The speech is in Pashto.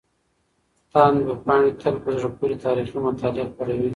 تاند ویبپاڼه تل په زړه پورې تاريخي مطالب خپروي.